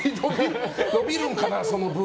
伸びるんかな、その部位。